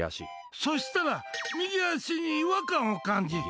そしたら右足に違和感を感じ。